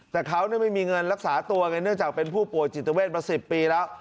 แต่เขาไม่มีเงินรักษาตัวไงเนื่องจากเป็นผู้ป่วยจิตเวทมา๑๐ปีแล้ว